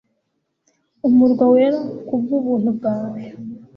umurwa wera', 'ku bw'ubuntu bwawe'